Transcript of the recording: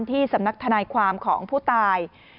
ที่สำนักทนายความของผู้ตาย